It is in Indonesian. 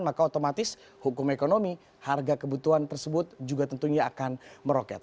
maka otomatis hukum ekonomi harga kebutuhan tersebut juga tentunya akan meroket